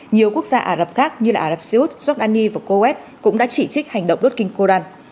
nhiều quốc gia ả rập khác như là ả rập xê út giọc đa ni và cô ét cũng đã chỉ trích hành động đốt kinh koran